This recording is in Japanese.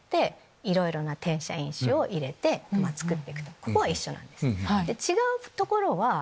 ここは一緒なんです。